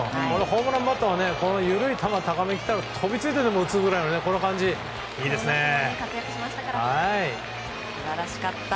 ホームランバッターは緩い球が高めに来たら飛びついてでも打つぐらいの感じ素晴らしかった。